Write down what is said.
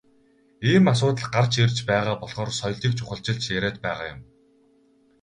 Ийм асуудал гарч ирж байгаа болохоор соёлыг чухалчилж яриад байгаа юм.